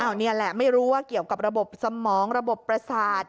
นี่แหละไม่รู้ว่าเกี่ยวกับระบบสมองระบบประสาท